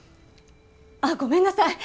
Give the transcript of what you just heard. あっごめんなさい。